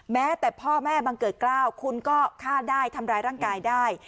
แม้แต่พ่อแม่บังเกิดกล้าวคุณก็ฆ่าได้ทำร้ายร่างกายได้